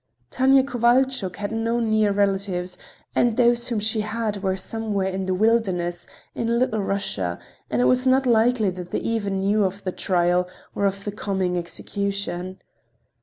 Tanya Kovalchuk had no near relatives, and those whom she had were somewhere in the wilderness in Little Russia, and it was not likely that they even knew of the trial or of the coming execution.